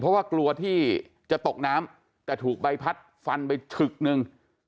เพราะว่ากลัวที่จะตกน้ำแต่ถูกใบพัดฟันไปฉึกหนึ่ง